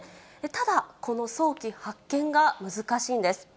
ただ、この早期発見が難しいんです。